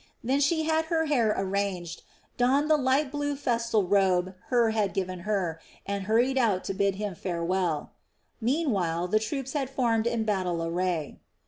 Then she had her hair arranged, donned the light blue festal robe Hur had given her, and hurried out to bid him farewell. Meanwhile the troops had formed in battle array.